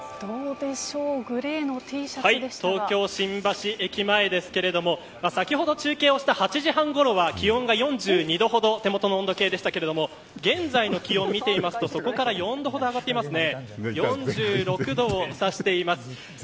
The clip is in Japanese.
どうでしょう東京、新橋駅前ですけれども先ほど中継した８時半ごろは気温が４２度ほど手元の温度計でしたが現在の気温を見てみるとそこから４度ほど上がっていますね。